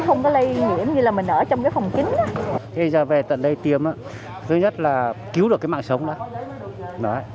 thế giờ về tận đây tiêm thứ nhất là cứu được cái mạng sống đó